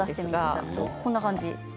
こんな感じ。